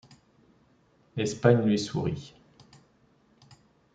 Espagne lui sourit.